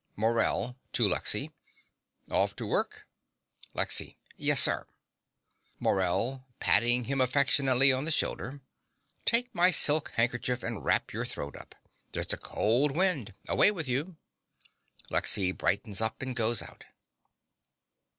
MORELL (to Lexy). Off to work? LEXY. Yes, sir. MORELL (patting him affectionately on the shoulder). Take my silk handkerchief and wrap your throat up. There's a cold wind. Away with you. (Lexy brightens up, and goes out.)